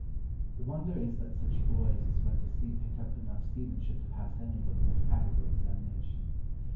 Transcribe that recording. The wonder is that such boys as went to sea picked up enough seamanship to pass any but the most practical examination.